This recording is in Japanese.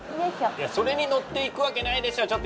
いやそれに乗っていくわけないでしょ！